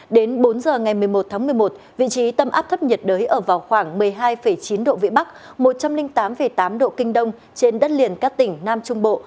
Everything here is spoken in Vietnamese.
đến bốn h ngày một mươi một tháng một mươi một vị trí tâm áp thấp nhiệt đới ở vào khoảng một mươi hai chín độ vĩ bắc một trăm linh tám tám độ kinh đông trên đất liền các tỉnh nam trung bộ